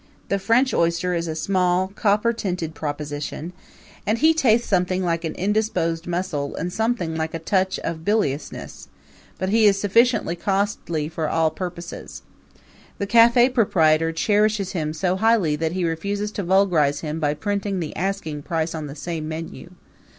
The French oyster is a small, copper tinted proposition, and he tastes something like an indisposed mussel and something like a touch of biliousness; but he is sufficiently costly for all purposes. The cafe proprietor cherishes him so highly that he refuses to vulgarize him by printing the asking price on the same menu.